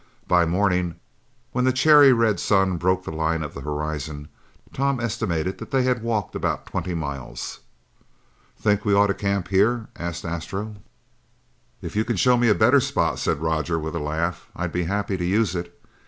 By morning, when the cherry red sun broke the line of the horizon, Tom estimated that they had walked about twenty miles. "Think we ought to camp here?" asked Astro. "If you can show me a better spot," said Roger with a laugh, "I'll be happy to use it!"